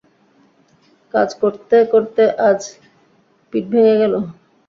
কাজ করতে করতে আজ পিঠ ভেঙ্গে গেল!